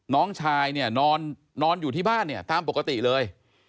น้องชายนอนอยู่ที่บ้านตามปกติเลย